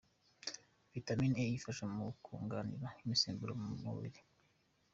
Vitamine E ifasha mu kuringaniza imisemburo mu mubiri.